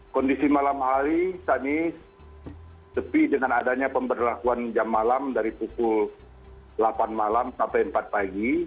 kondisi malam hari kami sepi dengan adanya pemberlakuan jam malam dari pukul delapan malam sampai empat pagi